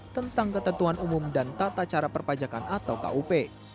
tentang ketentuan umum dan tata cara perpajakan atau kup